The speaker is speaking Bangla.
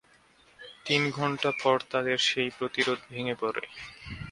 তিন ঘণ্টা পর তাদের সেই প্রতিরোধ ভেঙে পড়ে।